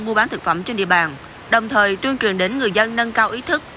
mua bán thực phẩm trên địa bàn đồng thời tuyên truyền đến người dân nâng cao ý thức